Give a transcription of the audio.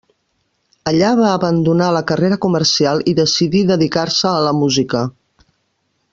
Allà va abandonar la carrera comercial i decidir dedicar-se a la música.